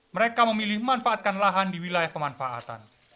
mereka memilih manfaatkan lahan di wilayah pemanfaatan